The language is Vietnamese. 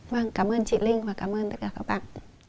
vâng cảm ơn chị linh và cảm ơn tất cả các bạn